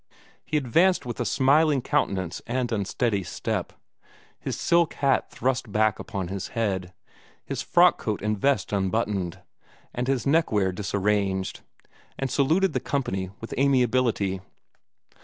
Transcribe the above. He advanced with a smiling countenance and unsteady step his silk hat thrust back upon his head, his frock coat and vest unbuttoned, and his neckwear disarranged and saluted the company with amiability.